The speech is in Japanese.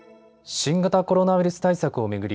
新型コロナウイルス対策を巡り